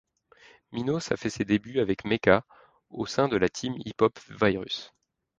Minos a fait ses débuts avec Mecca au sein de la team hip-hop Virus.